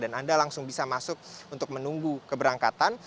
dan anda langsung bisa masuk untuk menunggu keberangkatan